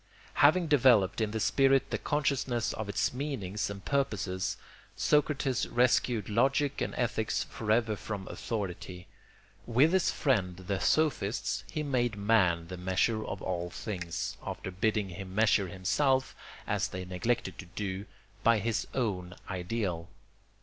Having developed in the spirit the consciousness of its meanings and purposes, Socrates rescued logic and ethics for ever from authority. With his friends the Sophists, he made man the measure of all things, after bidding him measure himself, as they neglected to do, by his own ideal.